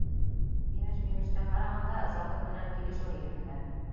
Имеш-мимешкә ҡарағанда, завод менән килешеү нигеҙендә.